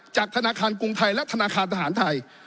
จากธนาคารกรุงไทยและธนาคารทหารไทย